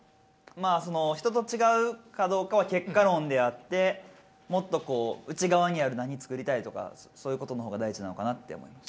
まあその人と違うかどうかは結果論であってもっとこう内側にある何作りたいとかそういうことの方が大事なのかなって思います。